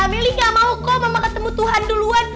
meli gak mau kok mama ketemu tuhan duluan